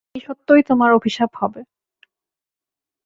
এই সত্যই তোমার অভিশাপ হবে।